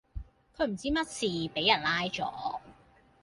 佢唔知乜事,卑人拉左